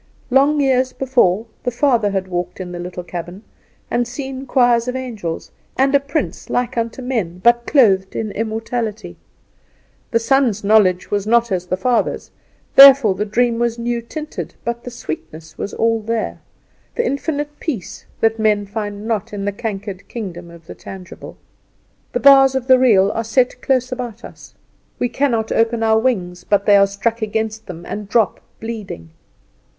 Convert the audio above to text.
Long years before the father had walked in the little cabin, and seen choirs of angels, and a prince like unto men, but clothed in immortality. The son's knowledge was not as the father's, therefore the dream was new tinted, but the sweetness was all there, the infinite peace that men find not in the little cankered kingdom of the tangible. The bars of the real are set close about us; we cannot open our wings but they are struck against them, and drop bleeding.